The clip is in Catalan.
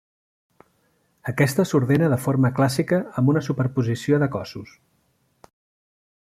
Aquesta s'ordena de forma clàssica amb una superposició de cossos.